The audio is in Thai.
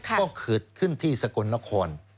โดยเกิดขึ้นที่สกนคร